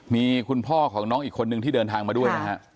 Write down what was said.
มีคุณพ่อของน้องอีกคนนึงที่เดินทางมาด้วยนะฮะ